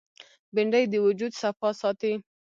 بېنډۍ د وجود صفا ساتي